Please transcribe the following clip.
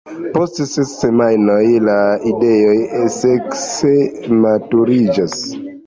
Post ses semajnoj la idoj sekse maturiĝas.